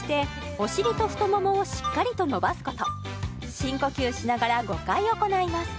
深呼吸しながら５回行います